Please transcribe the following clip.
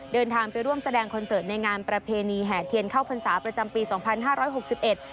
เดินทางไปร่วมแสดงคอนเสิร์ตในงานประเพณีแห่เทียนเข้าพรรษาประจำปีสองพันห้าร้อยหกสิบเอ็ด